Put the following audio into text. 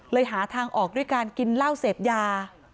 หาทางออกด้วยการกินเหล้าเสพยา